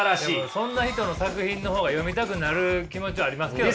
そんな人の作品の方が読みたくなる気持ちありますけどね。